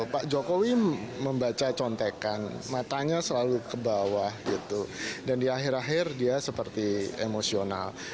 pak jokowi membaca contekan matanya selalu ke bawah gitu dan di akhir akhir dia seperti emosional